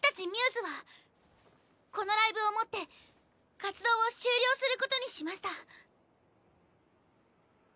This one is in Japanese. μ’ｓはこのライブをもって活動を終了する事にしました。